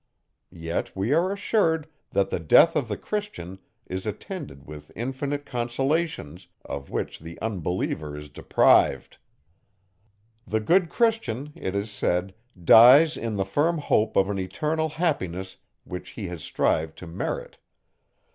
_ Yet we are assured, that the death of the Christian is attended with infinite consolations, of which the unbeliever is deprived. The good Christian, it is said, dies in the firm hope of an eternal happiness which he has strived to merit.